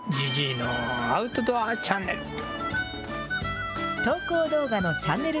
ｊｉｊｉｉのアウトドアチャンネル。